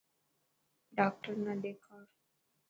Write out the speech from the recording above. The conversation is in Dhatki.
ڊاڪٽر نا ڏيکاڙ.